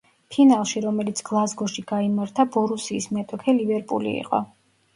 ფინალში, რომელიც გლაზგოში გაიმართა „ბორუსიის“ მეტოქე „ლივერპული“ იყო.